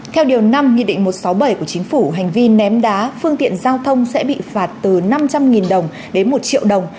theo điều năm nghị định một trăm sáu mươi bảy của chính phủ hành vi ném đá phương tiện giao thông sẽ bị phạt từ năm trăm linh đồng đến một triệu đồng